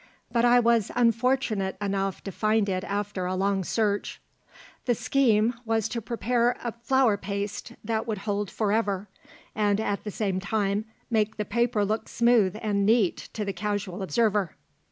But I was unfortunate enough to find it after a long search. The scheme was to prepare a flour paste that would hold forever, and at the same time make the paper look smooth and neat to the casual observer.